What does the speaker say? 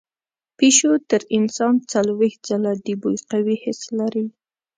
پیشو تر انسان څلوېښت ځله د بوی قوي حس لري.